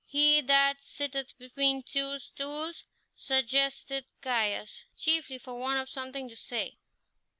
"He that sitteth between two stools " suggested Caius, chiefly for want of something to say.